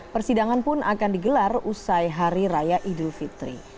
persidangan pun akan digelar usai hari raya idul fitri